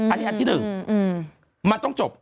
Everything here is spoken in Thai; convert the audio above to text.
อันนี้อันที่๑มันต้องจบ